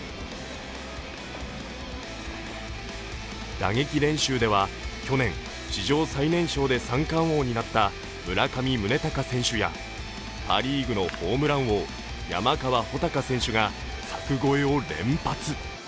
打撃練習では去年史上最年少で三冠王になった村上宗隆選手やパ・リーグのホームラン王山川穂高選手が柵越えを連発。